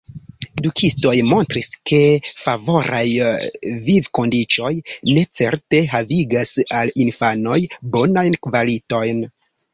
Edukistoj montris, ke favoraj vivkondiĉoj necerte havigas al infanoj bonajn kvalitojn.